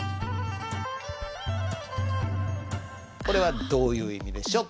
これはどういう意味でしょ？